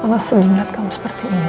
mama sedang melihat kamu seperti ini